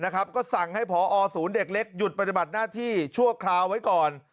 ก็สั่งให้พอศูนย์เด็กเล็กหยุดปฏิบัติหน้าที่ชั่วคราวไว้ก่อน